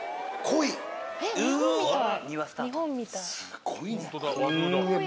すごいね。